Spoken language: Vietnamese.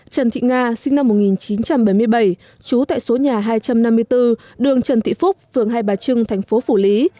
trần thị nga sinh năm một nghìn chín trăm bảy mươi bảy trú tại số nhà hai trăm năm mươi bốn đường trần thị phúc phường hai bà trưng thành phố phủ lý